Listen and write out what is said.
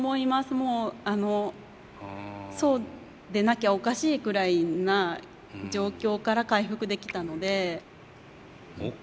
もうそうでなきゃおかしいくらいな状況から回復できたので。